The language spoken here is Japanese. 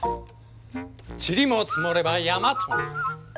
ちりも積もれば山となる。